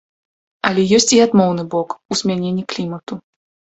Але ёсць і адмоўны бок у змяненні клімату.